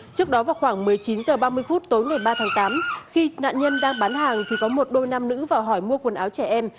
trước đó vào khoảng một mươi chín h ba mươi phút tối ngày ba tháng tám khi nạn nhân đang bán hàng thì có một đôi nam nữ vào hỏi mua quần áo trẻ em